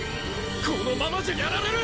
このままじゃやられる！